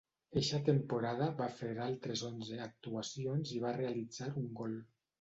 Eixa temporada va fer altres onze actuacions i va realitzar un gol.